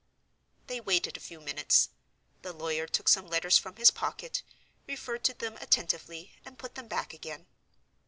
They waited a few minutes. The lawyer took some letters from his pocket, referred to them attentively, and put them back again.